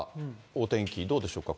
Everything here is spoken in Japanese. お天気、どうでしょうか？